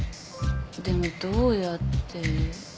でもどうやって。